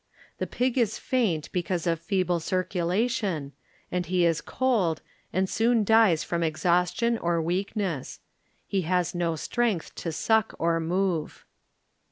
The pig is faint because of feeble circulation, and he is cold, and soon dies from ex haustion or weakness. He has no strength to suck or move.